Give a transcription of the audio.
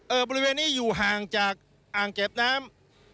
บริเวณนี้อยู่ห่างจากอ่างเก็บน้ำ